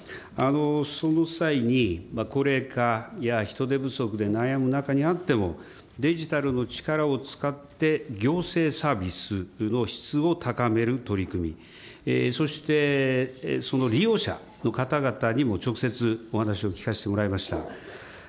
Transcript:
その際に高齢化や人手不足で悩む中にあっても、デジタルの力を使って行政サービスの質を高める取り組み、そして、その利用者の方々にも直接お話を聞かせてもらいました。